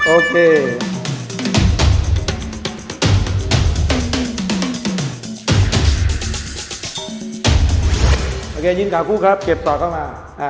โอเคยินขาวครับเก็บต่อกลับมาอ่า